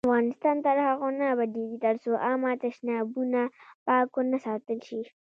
افغانستان تر هغو نه ابادیږي، ترڅو عامه تشنابونه پاک ونه ساتل شي.